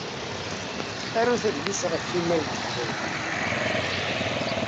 Arut adlis ɣef imal n teqbaylit.